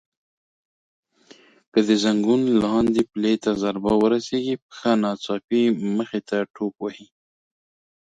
که د زنګون لاندې پلې ته ضربه ورسېږي پښه ناڅاپي مخې ته ټوپ وهي.